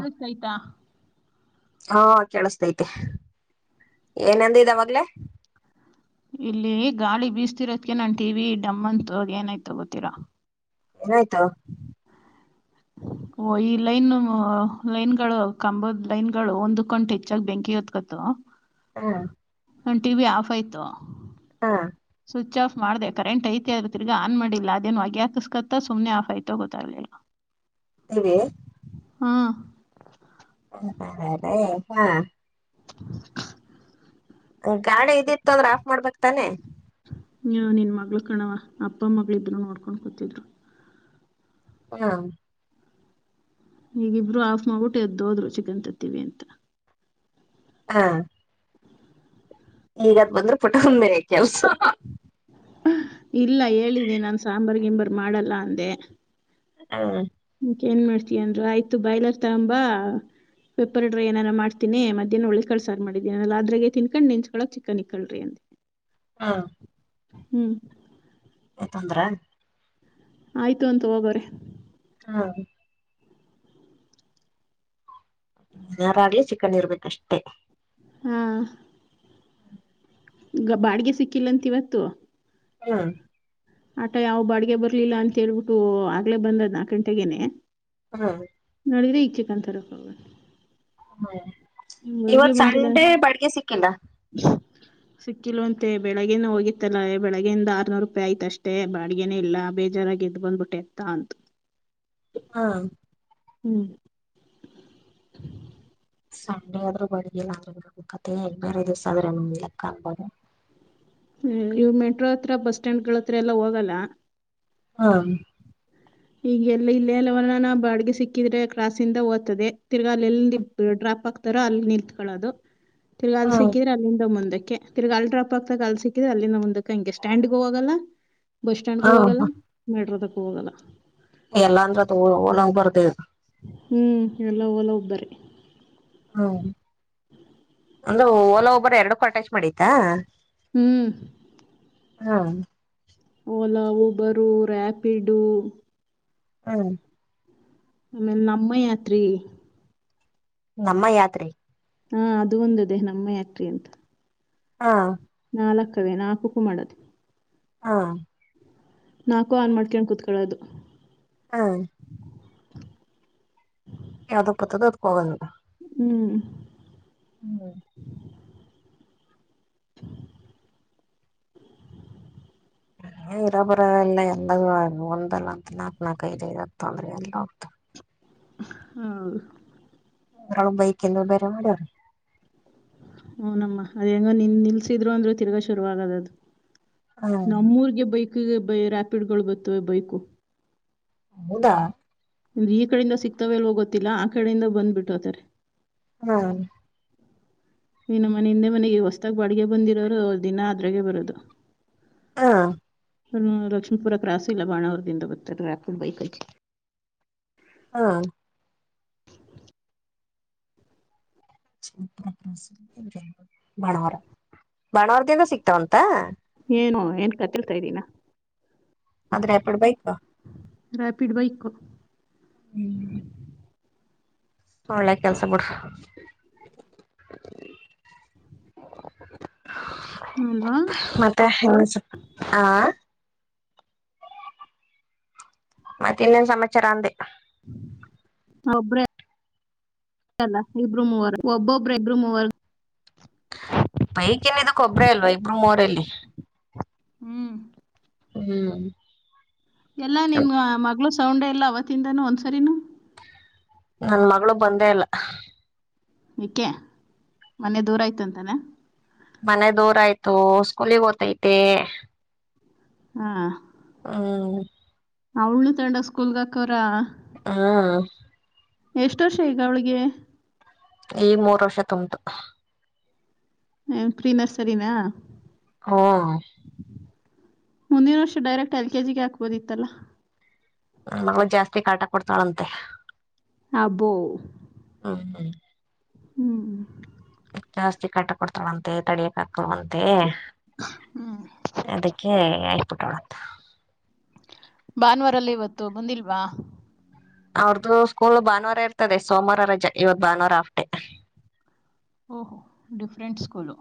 ಕಳಸ ಆಾಯ್ತಾ ಹಾ ಕೇಳಸ್ತೈತೆ ಏನಂದ ಇದಾವಾಗ್ಲೇ ಇಲ್ಲಿ ಗಾಳಿ ಬೀಸ್ತಿರೋದಕ ನಾನ್ ಟಿವ ವಿ ಡಮ್ಮ್ ಅಂತ ಏನಾಯ್ತ ಗೊತೀರಾ ಏನಾಯ್ತ ಓ ಈ ಲೈನ್ ಲೈನ್ ಗಳು ಕಂಬದ್ ಲೈನ್ ಗಳು ಒಂದ ಕೊಂಟು ಹೆಚ್ಚಾಗಿ ಬೆಂಕಿ ಹೊತ್ಕತ ಹಾ ನ ಟಿ ವಿ ಆಫ್ ಆಯ್ತು ಹಾ ಸ್ವಿಚ್ ಆಫ್ ಮಾಡಿದೆ ಕರೆಂಟ್ ಐತೆ ಅ್ರ ತಿರ್ಗ ಆನ್ ಮಾಡಿಲ್ಲ ಅದೇನು ಆೆಸ್ಕತ್ತ ಸು್ನೆ ಆಫ್ ಆಯ್ತ ಗೊತ್ತಾಗಲಿಲ್ಲ ಇವಿ ಹಾಂ ಹ ಹ ಹಾ ಗಾಡಿ ಇದಿತ್ತು ಅಂದ್ರೆ ಆಫ್ ಮಾಡ್ಬೇಕಕ್ ತಾನೆ ಹ ನಿನ್ ಮಗಳು ಕಣವ ಅಪ್ಪ ಮ ಇದರು ನೋಡ್ಕೊಂಡ್ ಕೂತಿದ್ರು ಹಾ ಈಗಿಬ್ರು ಆಾಫ್ ಮಾಡ್ಬಿಟ್ಟು ಎದ್ದು ಹೋದ್ರು ಚಿಕನ್ ತತ್ತೀವಿ ಅಂತ ಹಾ ಈಗದ್ ಬಂದ್ರೆ ಪುಟ ಒ ಮೇಲೆ ಕೆಲ್ಸ ಇಲ್ಲ ಹೇಳಿದ್ದಿ ನಾನು ಸಾಂಬಾರ್ು ಗಿಂಬರ್ ಮಾಡಲ್ಲ ಅಂದೆ ಹಾ ಹಕ ನ್ ಮಾಡ್ತಯನ್ರು ಆಯ್ತು ಬಯಲ ಆಗ್ತಂಬಾ ಪೆಪರ್ ಡ್ರೈ ಏನಾರ ಮಾಡ್ತನಿ ಮಹ್ನ ಒಳ್ಳ ಕಳ್ಸಾರ ಮಾಡಿದೀನಲ್ಲ ಅ್ರೆ ತಿನ್ಕೊಂಡು ನಿಂಚ್ಕಳಕ್ ಚಿಕಕ್ಕನ್ ಇಕ್ಕಳ್ರಿ ಅಂತ ಹಾ ಹ್ಮ್ ಯ್ತೊಂದ್ರ ಆಯ್ತು ಅಂತ ಹೋಗೋರೆ ಹಾ ಯಾರಾಗಲಿ ಚಿಕನ್ ಇರ್ಬೇಕಷ್ಟೇ ಹಾ ಗ ಬಾಡಿಗೆ ಸಿಕ್ಕಿಲ್ಲಂತ ಇವತ್ತು ಹ್ಮ ಆಟ ಯಾವ ಬಾಡಿಗೆ ಬರ್ಲಿಲ್ಲ ಅಂತ ಹೇಳ್ಬಿಟ್ಟು ಆಗ್ಲೇ ಬಂದದ್ ನಾಕಂಟಗೇನೆ ಹ್ಮ ಮಾಡಿದ್ರೆ ಈಗ ಚಿಕನ್ ತರಕರೋಗ ಹ್ಮ್ ಇವತ್ ಸಂಡೆ ಬಾಡಿಗೆ ಸಿಕ್ಕಿಲ್ಲ ಸಿಕ್ಕಿಲ್ ಅಂತೆ ಬೆಳಿಗ್ಗೆನ ಹೋಗಿತ್ತಲ್ಲ ಬೆಳಗ್ಯಿಂದ ಆರ್ನೂರು ರೂಪಾಯಿ ಆಯ್ತ ಅಷ್ಟೇ ಬಾಡನೇ ಇಲ್ಲ ಬೇಜಾರಾಗಿ ಎಗೆದ್ದ ಬಂದ್ಬಿಟ್ಟೆತ್ತಾ ಅಂತ [unintelligible] ಹ್ಮ್ ಹ್ಮ್ ಸಂಡೆ ಆದ್ರೂ ಬಳಗಿಲ್ಲ ಅಂದ್ರ ಕತೆ ಗ್ ಬೇರೆ ದಿವ್ಸ ಆದ್ರೆ ಇಲೆಕ್ಕ ಅನ್ಬೋದು ಹ್ಮ್ ಇವ ಮೆಟ್ರೋ ಹತ್ರ ಬಸ್ ಸ್ಟಾಂಡ್ಗಳ ಹತ್ರ ಎಲ್ಲಾ ಹೋಗಲ್ಲ ಹಾ ಈಗ ಎಲ್ಲ ಇಲ್ಲೇ ಅಲ್ಲವರ್ಣಾನ ಬಾಡಗೆ ಸಿಕ್ಕಿದ್ರೆ ಕ್ರಾಸಿಂದ ಓದತದೆ ತಿರ್ಗಾ ಅಲ್ಲಿ ಎಲ್ಲಿಡಾ ಅಕ್ಪಾಕ್ತಾರ ಅಲ್ಲಿ ನಿತ್ಕೊಳ್ಳೋದು ತಿರ್ಗಾಲ್ ಹ್ಮ್ ಸಿಕ್ಕಿದ್ರೆ ಅಲ್ಲಿಂದ ಮುಂದಕ್ಕೆ ತಿರ್ಗ ಅಲ್ಡ್ರಾಪ್ ಆಗ್ತಾ ಕಲ್ ಸಿಕ್ಕಿದ ಅಲ್ಲಿಂದ ಮುಂದಕ್ಕೆ ಹಂಗೆ ಸ್ಟ್ಯಾಂಡ್ಗೆ ಹೋಗಲ್ಲ ಬಸ್ ಸ್ಟ್ಯಾಂಡ್ಗೂ ಹ್ಮ್ ಹೋಗಲ್ಲ ಮೆಟ್ರೋದಕ್ಕೂ ಹೋಗಲ್ಲ ಎಲ್ಲಾ ಅಂದ್ರ ಅದು ಹೋಲ ಉ ಬರ್ದದು ಹ್ಮ್ ಎಲ್ಲ ಲ್ಲ ಒಬ್ಬರ ಹ್ಮ್ ಮಾಡೀತಾ ಹ್ಮ್ ಹಾ ಓಲಾ ಊಬರು ರಾಪಿಡು ಹ್ಮ ಆಮೇಲೆ ನಮ್ಮ ಯಾತ್ರಿ ನಮ್ಮ ಯಾತ್ರಿ ಹಾ ಅದು ಒಂದು ದೇಹ ನಮ್ಮ ಯಾತ್ರಿ ಅಂತ ಹಾ ನಾಲ್ಕವೇ ನಾಲ್ಕಕ್ಕೂ ಮಾಡದು ಹಾ ನಾಕು ಆನ್ ಮಾಡ್ಕೊಂಡು ಕುೂತ್ಕಳೋದು ಹಾ ಯಾವ್ದಪ್ಪತದ ಅದ್ಕ ಹೋಗಲ್ಲಿಲ್ಲ ಹ್ಮ್ ಹ್ಮ್ [inaudible] ಹ್ಮ [inaudible] ಹ ಇರಬರ ಎಲ್ಲ ಎಲ್ಲ ಒಂದಲ್ಲ ಅಂತ ನಾಕ್ ನಾಕ ಐದ ಐದತ್ತು ಅಂದ್ರೆ ಎಲ್ಲ ಹೋಗ್ತ ಹ ಹ್ರ ಬೈಕಂದು ಬೇರೆ ಮಾಡವ್ರಿ ಹನಮ್ಮ ಅದ ಹೆಂಗ ನಿನ್ ನಿಲ್ಸಿದ್ರು ಅಂದ್ರು ತಿರ್ಗಾ ಶುರು ಆಗದ ಅದು ಹಾ ನಮ್ಮೂರ್ಗೆ ಬೈಕ್ ರ್ಯಾಪಿಡ್ಗಳು ಬತ್ತವೆ ಬೈಕು ಹೌದಾ ಈ ಕಡೆಯಿಂದ ಸಿಕ್ತಾವೇಲ್ ಹೋಗೊತ್ತಿಲ್ಲ ಆ ಕಡೆಯಿಂದ ಬಂದ್ಬಿಟ್ಟತಾರೆ ಹ್ಮ ಇನ್ನು ಮನೆ ಹಿಂದೆ ಮನೆಗೆ ಹೊಸ್ತಾಗ ಬಾಿಗೆ ಬಂದಿರೋರು ದಿನ ಆದ್ರಾಗೆ ಬರೋದು ಹಾ ಲಕ್ಷ್ಮೀಪುರ ಕ್ರಾಸ್ ಇಲ್ಲ ಬಾಣಾವರದಿಂದ ಬರ್ತಾರೆ ರಾಪಿಡ್ ಬೈಕ್ಿ ಹಾ ಬಾಣಾರ ಬಾಣವಾರದಿಂದ ಸಿಕ್ತಾವಂತ ಏನು ಏನ್ ಕತಿಳ್ತಾ ಇದ್ದೀನ ಆದದ್ರ ಎಪಡ್ ಬೈಕ ರ್ಯಾಪಿಡ್ ಬೈಕು ಹ್ಮ ಒಳ್ಳೆ ಕೆಲ್ಸ ಬಿಡ್ಸ ಹ ಅಲ್ವಾ ಮತ್ತೆ ಹೆ ಹಾ ಮತ್ತೆ ಇನ್ನೇನ್ ಸಮಾಚಾರ ಅಂದೆ ಒಬ್ರ ಇಲ್ಲ ಇಬ್ರು ಮೂವರು ಒಬ್ಬೊಬ್ರು ಇಬ್ಬರು ಮೂವರ್ ಏನ್ ಇದಕ್ಕೊಬ್ಬ್ರೇ ಅಲ್ವಾ ಇಬ್ಬರು ಮೋರಲ್ಲಿ ಹ್ಮ್ ಹ್ಮ್ ಎಲ್ಲಾ ನಿನ್ ಮಗಳು ಸೌಂಡೆ ಎಲ್ಲ ಅವತ್ತಿಂದಾನೂ ಒಂದ್ಸರಿನು ನನ್ ಮಗಳು ಬಂದೇ ಇಲ್ಲ ಕೆ ಮೊನ್ನೆ ದೂರ ಆಯ್ತು ಅಂತಾನೆ ಮನೆ ದೂರ ಆಯ್ತು ಸ್ಕೂಲಗ್ ಓ್ತೈತಿ ಹಾ ಹ್ಮ ಅವ್ಣು ತಂಡ ಸ್ಕೂಲ್ಗಾಕರ ಹಾ ಎಷ್ಟ ವರ್ಷ ಈಗ ಅವಳಿಗೆ ಈ ಮೂರು ವರ್ಷ ತುಮಟು ಪ್ರೀ ನರ್ಸರಿಿನ ಹಾ ಮುಂದಿನ ವರ್ಷ ಡೈರೆಕ್ಟ್ ಎಲ್ ಕೆಜಿಗೆ ಹಾಕ್ಬೋದಿತ್ತಲ್ಲ ಮಗಳುಳ ಜಾಸ್ತಿ ಕಾಟ ಕೊಡ್ತಾಳಂತೆ ಅಬೋ ಹ್ಮ ಹ ಹ್ಮ್್ಮ ಜಾಸ್ತಿ ಕಾಟ ಕೊಡ್ತಾಳಂತೆ ತಡಿಯ ುವಂತೆ ಅದಕ್ಕೆ ಆಯಕ್ಬಿಟ್ಟೋಡುತ್ತ ಭಾನುವಾರಲ್ಲ ಇವತ್ತು ಬಂದಿಲ್ವಾ ಅವ್ರ್ದು ಸ್ಕೂಲ್ ಭಾನುವಾರ ಇರ್ತದೆ ಸೋಮವಾರ ರಜೆ ಇವತ್ ಭಾನುವಾರ ಅಫ್ಟೇ ಓಹೋ ಡಿಫ್ರೆಂಟ್ ಸ್ಕೂಲು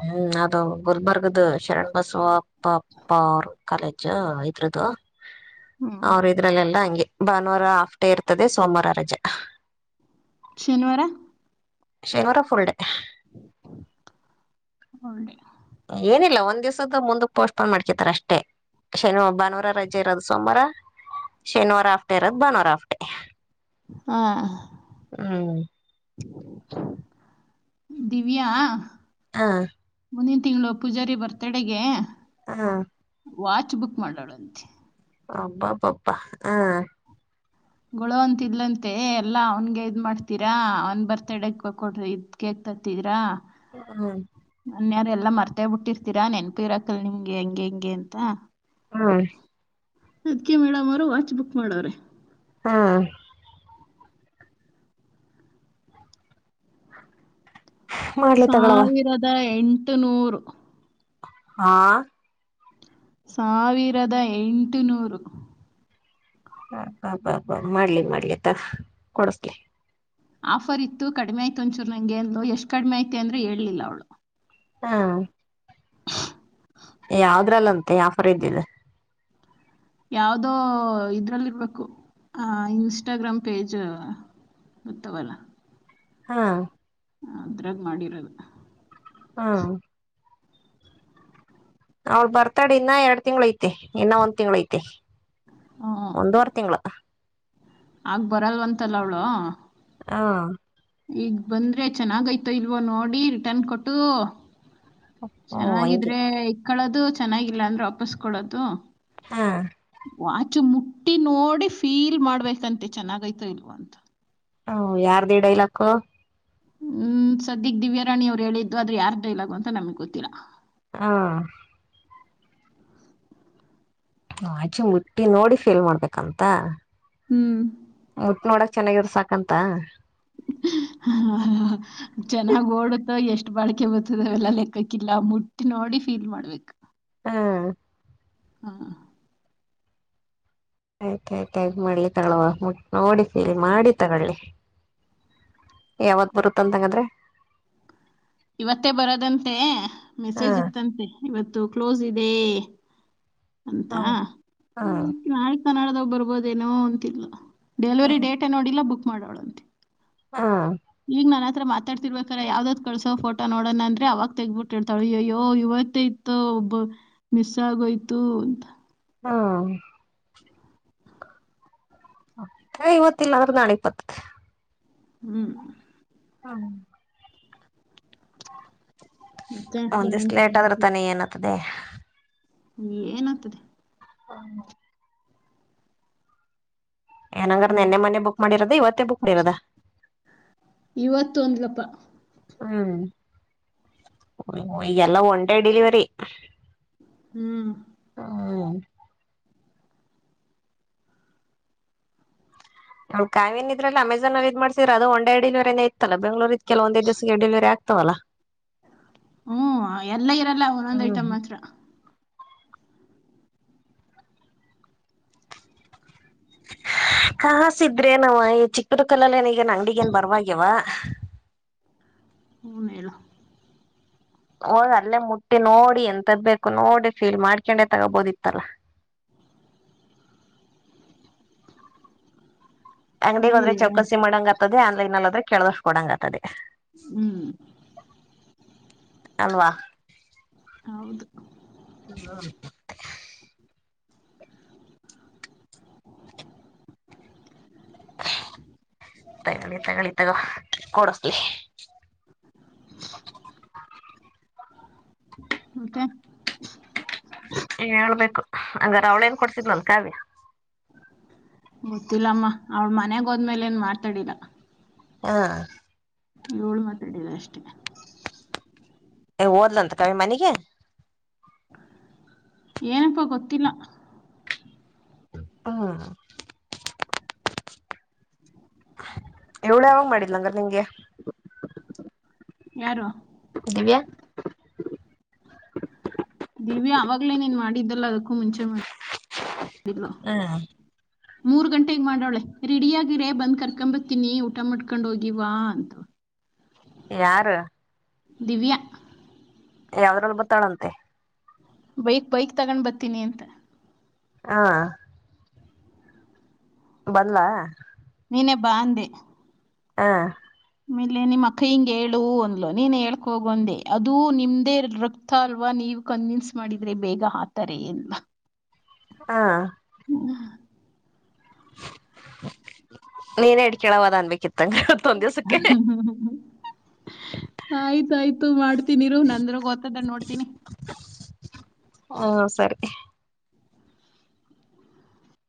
ಹ್ಮ್ ಅದು ಗುಲ್ಮರ್ಗ್ದ ಶರಣ್ ಬಸವಾ ಅಪ್ಪಾಪ್ಪ ಕಾಲೇಜ್ ಇದ್ರದು ಹ್ಞೂ ಅವ್ರ ಇದ್ರಲ್ಲೆಲ್ಲಾ ಹಂಗೆ ಭಾನುವಾರ ಹಾಫ್ ಡೇ ಇರ್ತದೆ ಸೋಮರ ರಜ ಶನಿವಾರ ಶೈವರಫುಲ್ಡೇ [inaudible] ಏನಿಲ್ಲ ಒಂದ್ ದಿವ್ಸದ ಮುಂದ ಪೋಸ್ಟ್ಪೋನ್ ಮಾಡ್ಕಿದಾರ ಅಷ್ಟೇ ಶನಿವಾರ ಭಾನುವಾರ ರಜೆ ಇರೋದು ಸೋಮವಾರ ಶನಿವಾರ ಹಾಫ್ಡೇ ಇರೋದು ಭಾನುವಾರ ಹಾಫ್ಡೇ ಹಾ ಹ್ಮ್ ದಿವ್ಯಾ ಹಾ ಮುಂದಿನ ತಿಂಗಳು ಪೂಜಾರಿ ಬರ್ತಡಗೆ ಹಾ ವಾಚ್ ಬುಕ್ ಮಾಡ್ವಲಂತೆ ಅಬ್ಬಾಬ್ಬಾ ಅಬ್ಬಾ ಹಾ ಗೋಳೋ ಅಂತಿದ್ದಲಂತೆ ಎಲ್ಲಾ ಅವನ್ಗೆ ಇದ್ ಮಾಡ್ತೀರಾ ಅವನ್ ಬರ್ತಡ ಕೊಡ್ರಿ ಇದ್ ಕೆ ತತ್ತಿದೀರಾ ಹ್ಮ್ ಅನ್ಯ್ರ ಎಲ್ಲಾ ಮರ್ತೇ ಬಿಟ್ಟಿರ್ತೀರಾ ನೆನಪು ಇರಾಕಲ್ ನಿಮ್ಗೆ ಹೆಂಗೆ ಹೆಂಗೆ ಅಂತ ಹಾ ಅದಕ್ಕೆ ಮೇಡಮ್ ಅವರು ವಾಚ್ ಬುಕ್ ಮಾಡವ್ರೆ ಹಾ ಮಾಡ್ಲಿ ತಗೊಳವ ಸಾವಿರದ ಎಂಟು ನೂರು ಹಾ ಸಾವಿರದ ಎಂಟು ನೂರು ಅಬ್ಬಾಬ್ಬಾಬ್ಬಾ ಮಾಡ್ಲಿ ಮಾಡ್ಲಿ ತ ಕೊಡಸ್ಲಿ ಆಫರ್ ಇತ್ತು ಕಡಿಮೆ ಆಯ್ತು ಒಂಚೂರು ನಂಗೆ ಅಂದ್ಲು ಎಷ್ಟು ಕಡಿಮೆ ಆಯ್ತೆ ಅಂದ್ರೆ ಹೇಳಲಿಲ್ಲ ಅವ್ಳು ಹಾ ಯಾವದ್ರಲ್ಲಂತೆ ಆಫರ್ ಇದ್ದಿದು ಯಾವದೋ ಇದ್ರಲ್ಲಿ ಇರ್ಬೇಕು ಆ ಇನ್ಸ್ಟಾಗ್ರಾಮ್ ಪೇಜ್ [inaudible] ಹಾ ಅದ್ರಾಗ ಮಾಡಿರದು ಹಾ ಅವ್ಳ ಬರ್ತಡೇ ಇನ್ನ ಎರಡ್ ತಿಂಗ್ಳು ಐತಿ ಐ ಇನ್ನ ಒಂದ್ ತಿಂಗಳು ಐತೆ ಒಂದುವರೆ ತಿಂಗಳು ಆಗ್ ಬರಲ್ವಂತಲ್ಲ ಅವಳು ಹಾ ಈಗ ಬಂದ್ರೆ ಚೆನ್ನಾಗಯ್ತೋ ಇಲ್ವೋ ನೋಡಿ ರಿಟರ್ನ್ ಕೊಟ್ಟು ಓ ಹಂಗೆ ಚೆನ್ನಾಗಿದ್ರೆ ಇಟ್ಕೋಳೋದು ಚೆನ್ನಾಗಿಲ್ಲ ಅಂದ್ರೆ ವಾಪಸ್ಕೊಡೋದು ಹಾ ವಾಚು ಮುಟ್ಟಿ ನೋಡಿ ಫೀಲ್ ಮಾಡ್ಬೇಕಂತೆ ಚೆನ್ನಾಗೈತ ಇಲ್ವ ಅಂತ ಹ ಯರ್ದು ಇ ಡೈಲಾಗು ಹ್ಮ್ ಸದ್ಯಗ್ ದಿವ್ಯಾ ರಾಣಿ ಅವ್ರು ಹೇಳಿದ್ದು ಆದ್ರೆ ಯಾರ ಡೈಲಾಗು ಅಂತ ನಮ್ಗ್ ಗೊತ್ತಿಲ್ಲಾ ಹಾ ಆಚೆ ಮುಟ್ಟಿ ನೋಡಿ ಫೇಲ್ ಮಾಡ್ಬೇಕಂತ ಹ್ಮ್ ಮುಟ್ಟ ನೋಡಕ್ ಚೆನ್ನಾಗಿದ್ರೆ ಸಾಕಂತ ಬಾಳಕೆ ಬರ್ತದ ಅವೆಲ್ಲ ಲೆಕ್ಕಕ್ಕಿಲ್ಲ ಮುಟ್ಟಿ ನೋಡಿ ಫೀಲ್ ಮಾಡ್ಬೇಕ್ ಹ್ಮ ಹಾ ಆಯ್ತಾಯಯ್ತ ಮಾಡಲಿ ತಗ್ಗವ ಮುಟ್ಟಿ ನೋಡಿ ಫೀಲ್ ಮಾಡಿ ತಗೊಳ್ಳಿ ಯಾವತ್ ಬರುತ್ತ ಅಂತಂಗಾದ್ರೆ ಇವತ್ತೇ ಬರೋದಂತೆ ಹಾ ಮೆಸೇಜ್ ಇತ್ತಂತೆ ಇವತ್ತು ಕ್ಲೋಸ್ ಇದೆ ಅಂತ ಹಾ ಹಾ [inaudible] ಕನ್ನಡದೋಗ್ ಬರ್ಬೋದೇನೋ ಅಂತಿಲ್ಲ ಡೆಲಿವರಿ ಡೇಟ್ ನೋಡಿಲ್ಲ ಬುಕ್ ಮಾಡವಳಂತೆ. ಹಾ ಈಗ ನನ್ ಹತ್ರ ಮಾತಾಡ್ತಿರ್ಬೇಕಾರ ಯಾವ್ದದ ಕಳಸೋ ಫೋಟೋ ನೋಣ ಅಂದ್ರೆ ಅವಾಗ ತೆಗಿಬಿಟ್ಟಿತಾಳೆ ಆಯೋಯೋ ಇವ ತ್ತ ಇತ ಒಬ್ಬ ಮಿಸ್ ಆಗೋಯ್ತು ಅಂತ. ಹಾ ಇವತ್ತಿಲ್ಲ ಅಂದ್ರೆ ನಾಳೆ ಬತ್ತದೆ. ಹ್ಮ್ ಹ್ಮ ಮತ್ತೆ ಒಂದ ದಿಸ ಇನ್ನೆಂತ ಲೇಟ್ ಅ ಆದ್ರ ತಾನೆ ಏನತದೆ. ಏನ್ ಆತದೆ. [unintelligible] ಏನಂಗ್ರ ಅಲ್ವಾ ನಿನ್ನೆ ಮೊನ್ನೆ ಬುಕ್ ಮಾಡಿರದ ಇವತ್ತೇ ಬುಕ್ ಮಾಡಿರದ. ಇವತ್ತು ಅನ್ಲಪ್ಪ ಹ್ಮ್ ಈಗೆಲ್ಲ ಒನ್ ಡೇ ಡಿಲಿವರಿ. ಹ್ಮ್ ಹಾ ಕಾವ್ಯ ಇದ್ರಲ್ಲಿ ಅಮಝನ್ ಅಲ್ಲಿ ಇದ್ ಮಾಡ್ಸೀರ ಅದು ಒನ್ ಡೇ ಡೆಲಿವರಿ ಇತ್ತಲ್ಲ ಬೆಂಗಳೂರ್ ಇತ್ತು ಕೆಲ ಒಂದೇ ದಿವಸ ಡೆಲಿವರಿ ಆಗ್ತವಲ್ಲ. ಹ್ಮ ಎಲ್ಲ ಇರಲ್ಲ ಒಂದೊಂದ್ ಹ್ಮ್ ಐಟಮ್ ಮಾತ್ರ. ಕಾಸ ಇದ್ರೆ ನಾವ ಈ ಚಿಕ್ಕಬಿದರಕಲ್ಲು ಅಲ್ಲಿ ಈಗನ್ ಅಂಗಡಿಗೇನ್ ಬರವಾಗಿಯವ. ಹೂಂ ಹೇಳು. ಹೋದ್ ಅಲ್ಲೇ ಮುಟ್ಟಿ ನೋಡಿ ಎಂತದ ಬೇಕು ನೋಡಿ ಫೀಲ್ ಮಾಡ್ಕೊಂಡೆ ತಗೋಬೋದಿತ್ತಲ್ಲ. [inaudible] ಅಂಗ್ಡಿಗ ಹದ್ರೆ ಏನ್ ಚೌಕಸಿ ಮಾಡಂಗ ಆತದೆ ಆನ್ಲೈನ್ ಅಲ್ಲದ್ರೆ ಕೇಳದಷ್ಟ್ಕ ಕೊಡಂಗ್ಗ್ತದೆ. ಹ್ಮ್ ಅಲ್ವಾ. ಹೌದು ತಗೊಳ್ಳಿ ತಗೊಳ್ಳಿ ತಗೋ ಕೊಡುಸ್ಲಿ. [inaudible] ಮತ್ತೆ. ಹೇಳ್ಬೇಕು ಹಂಗಾರ ಅವ್ಳೇನ್ ಕೊಡ್ತಿದ್ನಲ್ ಕಾವ್ಯ. ಗೊತ್ತಿಲ್ಲಮ್ಮ ಅವ್ಳ ಮನೆಯಗ್ ಹೋದ್ಮೇಲೆ ಏನ್ ಮಾಡ್ತಾಡಿಲ್ಲ. ಹಾ ಇವಳು ಮಾತಡಿದೆ ಅಷ್ಟೆ. ಏ ಓದ್ಲಂತ ಕಾವ್ಯ ಮನಗೆ. ಏನಪ್ಪ ಗೊತ್ತಿಲ್ಲ. ಹಾ ಇವ್ಳು ಯಾವಾಗ್ ಮಾಡಿದ್ಲು ಹಂಗಾರೆ ನಿಂಗೆ. ಯಾರು ದಿವ್ಯ. ದಿವ್ಯಾ ಅವಾಗ್ಲೇನೇನ್ ಮಾಡಿದ್ದಲ್ಲ ಅದಕ್ಕೂ ಮುಂಚೆ ಮಾಡಿದ್ಲು. ಹ್ಮ್ ಮೂರ್ ಗಂಟೆಗ್ ಮಾಡವಳೆ ರೆಡಿಯಗಿರೆ ಬಂದ್ ಕರ್ಕೊಂಬತೀನಿ ಊಟ ಮಾಡ್ಕೊಂಡ್ ಹೋಗಿವ ಅಂತ. ಯಾರು. ದಿವ್ಯಾ. ಯಾವ್ದ್ರಲ್ಲಿ ಬತ್ತಾಳಂತೆ. ಬೈಕ್ ಬೈಕ್ ತಗೊಂಡ್ ಬರ್ತೀನಿ ಅಂತ. ಹಾ ಬಂದಲ. ನೀನೇ ಬಾ ಅಂದೆ. ಹಾ ಮೇಲೆ ನಿಮ್ಮ್ ಅಕ್ಕಯ್ಯಂಗೆ ಹೇಳು ಅಂದ್ಲ ನೀನ್ ಹೇಳ್ಕ ಹೋಗ ಒಂದೆ ಅದು ನಿಮ್ದೇ ರಕ್ತ ಅಲ್ವಾ. ನೀವು ಕನ್ವಿನ್ಸ್ ಮಾಡಿದ್ರೆ ಬೇಗ ಹಾತಾರೆ ಅಂದ್ಲು. ಹಾ [inaudible] ನೀನ್ ಹಡ್ಕೇಳವ ಅದ ಅನ್ಬೇಕಿತ್ತಂಗವತ್ತ ಒಂದ್ ದಿವ್ಸಕ್ಕೆ ಆಯ್ತಾಯ್ತು ಮಾಡ್ತೀನಿರು ನಂದ್ರ ಗೊತ್ತ್ದನ್ ನೋಡ್ತೀನಿ ಹ್ಮ ಸರಿ